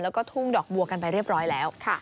แล้วก็ทุ่งดอกบัวกันไปเรียบร้อยแล้ว